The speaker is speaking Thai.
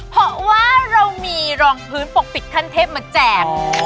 เพราะว่าเรามีรองพื้นปกปิดขั้นเทพมาแจก